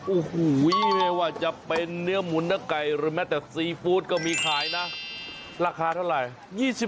โอ้โหไม่ว่าจะเป็นเนื้อหมุนหน้าไก่